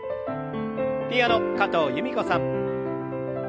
ピアノ加藤由美子さん。